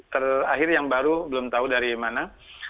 terakhir yang baru belum tahu dari mana